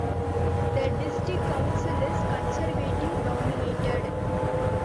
The District Council is Conservative dominated.